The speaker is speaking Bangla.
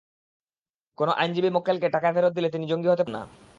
কোনো আইনজীবী মক্কেলকে টাকা ফেরত দিলে তিনি জঙ্গি হতে পারেন না।